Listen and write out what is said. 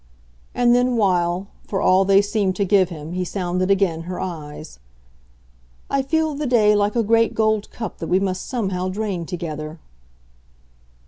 And then while, for all they seemed to give him, he sounded again her eyes: "I feel the day like a great gold cup that we must somehow drain together."